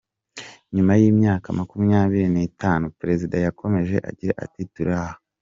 “Nyuma y’imyaka makumyabiri n’itanu, Perezida yakomeje agira ati, “turi aha.